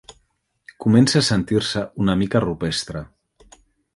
Comença a sentir-se una mica rupestre.